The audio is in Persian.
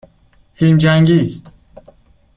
فیلم جنگی است.